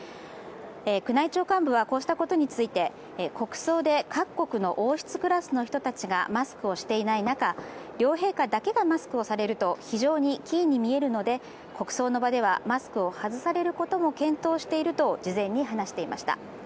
宮内庁幹部はこうしたことについて国葬で各国の王室クラスの人たちがマスクをしていない中、両陛下だけがマスクをされると非常に奇異に見えるので国葬の場ではマスクを外されることも検討されていると事前に話していました。